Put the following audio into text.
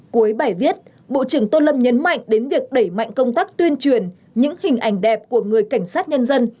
cuối bài viết bộ trưởng tô lâm nhấn mạnh đến việc đẩy mạnh công tác tuyên truyền những hình ảnh đẹp của người cảnh sát nhân dân